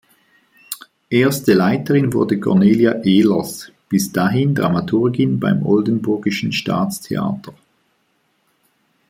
Erste Leiterin wurde Cornelia Ehlers, bis dahin Dramaturgin beim Oldenburgischen Staatstheater.